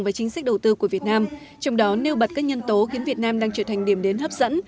và chính sách đầu tư của việt nam trong đó nêu bật các nhân tố khiến việt nam đang trở thành điểm đến hấp dẫn